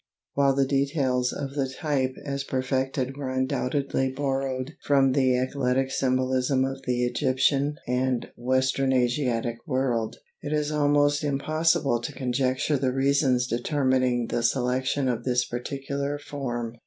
While the details of the type as perfected were undoubtedly borrowed from the eclectic symbolism of the Egyptian and western Asiatic world it is almost impossible to conjecture the reasons determining the selection of this particular form.